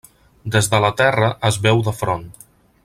Des de la Terra es veu de front.